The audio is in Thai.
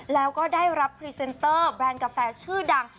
แล้วก็ได้รับพรีเซนเตอร์แบรนด์กาแฟชื่อดัง